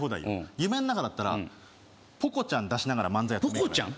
夢の中だったらポコちゃん出しながら漫才ポコちゃん？